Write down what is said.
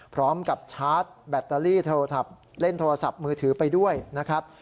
พร้อมกับชาร์จแบตเตอรี่โทรศัพท์เล่นโทรศัพท์มือถือไปด้วยนะครับ